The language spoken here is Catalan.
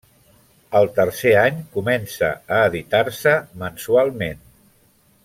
El tercer any comença a editar-se mensualment.